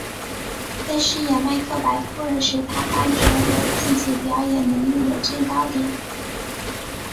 在饰演麦克白夫人时她发觉了自己表演能力的最高点。